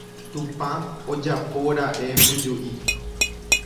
Tupã ojapóra'e mbyju'i.